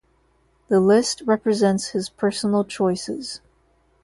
The list represents his personal choices.